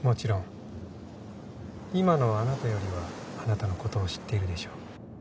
今のあなたよりはあなたの事を知っているでしょう。